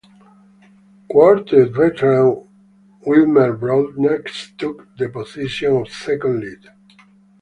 Quartet veteran Willmer Broadnax took the position of second lead.